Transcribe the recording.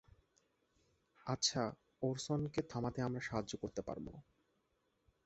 আচ্ছা, ওরসনকে থামাতে আমরা সাহায্য করতে পারব।